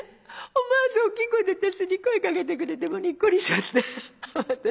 思わず大きい声で私に声かけてくれてもうにっこりしちゃって私。